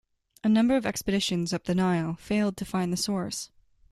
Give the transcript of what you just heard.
A number of expeditions up the Nile failed to find the source.